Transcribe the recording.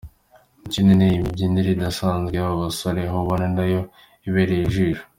Ikindi ni imibyinire idasanzwe y’aba basore aho ubona nayo ibereye ijisho.